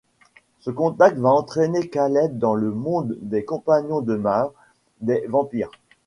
Ce contact va entraîner Caleb dans le monde des compagnons de Mae, des vampires.